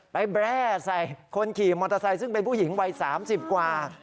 แบร่ใส่คนขี่มอเตอร์ไซค์ซึ่งเป็นผู้หญิงวัย๓๐กว่า